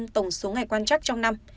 tổng số ngày quan trắc trong năm